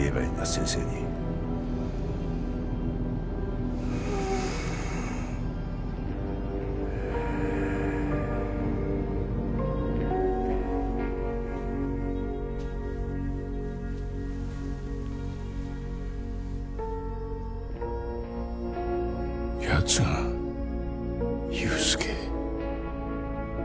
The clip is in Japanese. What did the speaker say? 先生にやつが憂助？